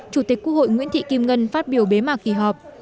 chủ tịch quốc hội nguyễn thị kim ngân phát biểu bế mạc kỳ họp